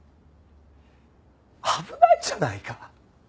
危ないじゃないか！